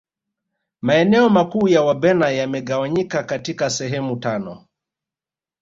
maeneo makuu ya wabena yamegawanyika katika sehemu tano